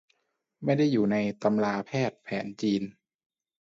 ไม่ได้อยู่ในตำราแพทย์แผนจีน